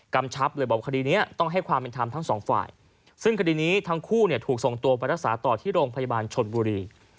ชับเลยบอกคดีนี้ต้องให้ความเป็นธรรมทั้งสองฝ่ายซึ่งคดีนี้ทั้งคู่เนี่ยถูกส่งตัวไปรักษาต่อที่โรงพยาบาลชนบุรี